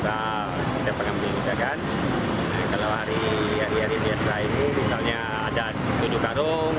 kalau hari hari biasa ini misalnya ada tujuh karung